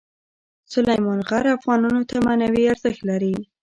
سلیمان غر افغانانو ته معنوي ارزښت لري.